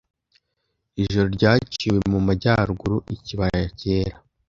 Ijoro ryaciwe mu majyaruguru; ikibaya cyera